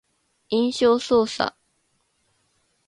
印象操作